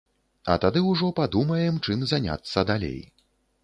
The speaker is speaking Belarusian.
А тады ўжо падумаем, чым заняцца далей.